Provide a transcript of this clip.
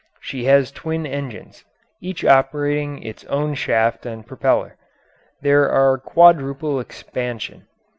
She has twin engines, each operating its own shaft and propeller. These are quadruple expansion.